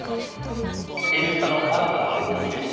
「Ｎスタ」の新たな試みです。